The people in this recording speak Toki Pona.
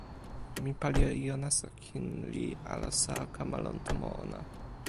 mi pali e ijo nasa kin, li alasa kama lon tomo ona.